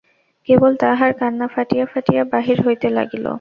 কেবল তাহার কান্না ফাটিয়া ফাটিয়া বাহির হইতে লাগিল।